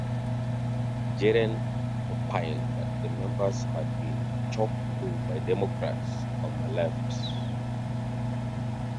Geren opined that the members had been "choked blue" by Democrats on the Left.